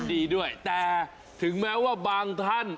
ดีด้วยแต่ถึงแม้ว่าบางท่าน